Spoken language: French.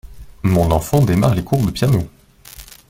Mon enfant démarre des cours de piano.